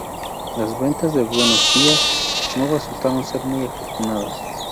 Las ventas de "Buenos Días" no resultaron ser muy afortunadas.